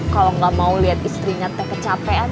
kalau gak mau liat istrinya teh kecapean